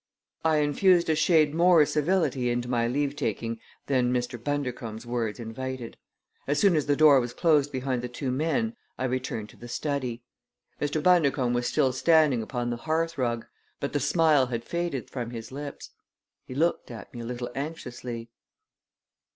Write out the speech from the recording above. I infused a shade more civility into my leavetaking than Mr. Bundercombe's words invited. As soon as the door was closed behind the two men I returned to the study. Mr. Bundercombe was still standing upon the hearthrug, but the smile had faded from his lips. He looked at me a little anxiously.